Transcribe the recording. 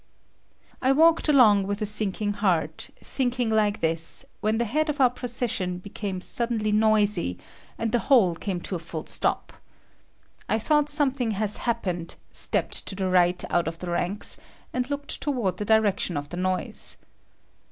I walked along with a sinking heart, thinking like this, when the head of our procession became suddenly noisy, and the whole came to a full stop. I thought something has happened, stepped to the right out of the ranks, and looked toward the direction of the noise.